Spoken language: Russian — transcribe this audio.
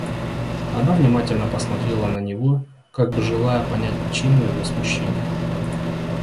Она внимательно посмотрела на него, как бы желая понять причину его смущения.